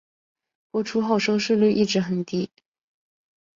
播出后收视率一直较低。